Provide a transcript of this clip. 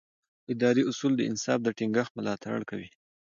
اداري اصول د انصاف د ټینګښت ملاتړ کوي.